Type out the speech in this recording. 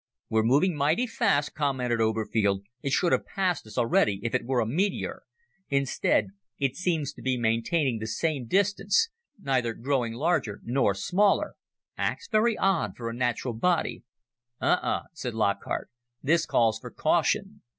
"We're moving mighty fast," commented Oberfield. "It should have passed us already if it were a meteor. Instead, it seems to be maintaining the same distance neither growing larger nor smaller. Acts very odd for a natural body." "Uh, uh," said Lockhart. "This calls for caution."